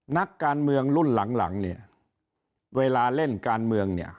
นักการเมืองรุ่นหลังเนี่ยเวลาเล่นการเมืองเนี่ย